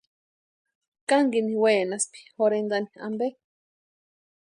¿Kankini wenaspki jorhentani ampe?